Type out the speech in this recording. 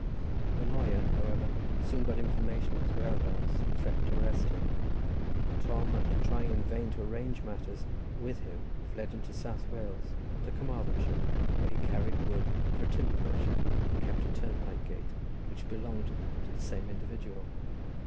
The lawyer, however, soon got information of his whereabout, and threatened to arrest him. Tom, after trying in vain to arrange matters with him, fled into South Wales, to Carmarthenshire, where he carried wood for a timber merchant, and kept a turnpike gate, which belonged to the same individual.